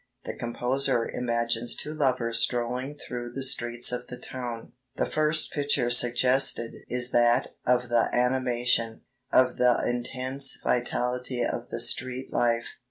The composer imagines two lovers strolling through the streets of the town. The first picture suggested is that of the animation, of the intense vitality of the street life.